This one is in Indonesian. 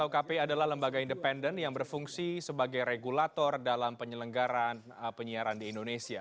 kpi adalah lembaga independen yang berfungsi sebagai regulator dalam penyelenggaran penyiaran di indonesia